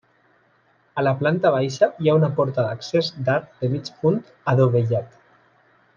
A la planta baixa hi ha una porta d'accés d'arc de mig punt adovellat.